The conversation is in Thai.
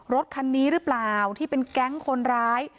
รถคันนี้หรือเปล่าที่เป็นแก๊งคนร้าย